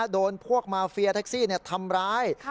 โดนพวกมาเฟียแท็กซี่ทำร้าย